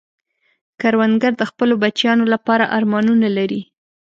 کروندګر د خپلو بچیانو لپاره ارمانونه لري